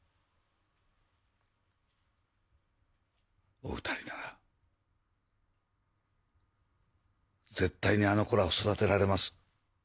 お二人なら絶対にあの子らを育てられます